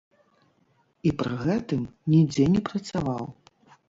І пры гэтым нідзе не працаваў.